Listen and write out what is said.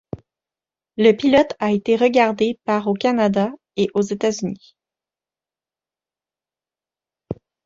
Le pilote a été regardé par au Canada, et aux États-Unis.